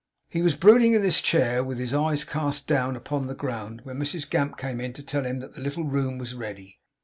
He was brooding in this chair, with his eyes cast down upon the ground, when Mrs Gamp came in to tell him that the little room was ready.